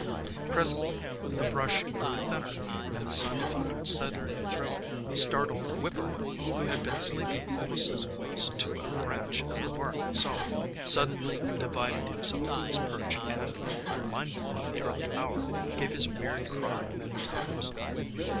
Presently the brush grew thinner and the sun filtered steadily through it. A startled whippoor THE COMING OF SPRING 21 will, who had been sleeping almost as close to a branch as the bark itself, suddenly divided himself from his perch, and, unmindful of the early hour, gave his weird cry many times.